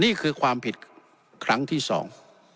นี่คือความผิดครั้งที่สอง